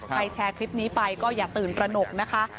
แชร์คลิปนี้ไปก็อย่าตื่นตระหนกนะคะ